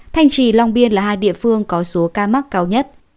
thanh trì long biên là hai địa phương có số ca mắc cao nhất